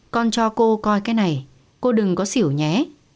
con cho cô coi cái này cô đừng có xỉu nhé